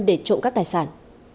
để trộm cắp thầy sản